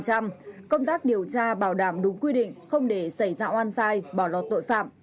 công tác điều tra bảo đảm đúng quy định không để xảy ra oan sai bỏ lọt tội phạm